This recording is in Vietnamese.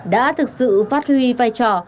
đã thực sự phát huy vai trò